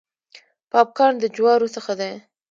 پاپ کارن د جوارو څخه دی.